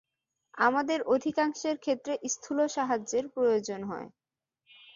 আমাদের অধিকাংশের ক্ষেত্রে স্থূল সাহায্যের প্রয়োজন হয়।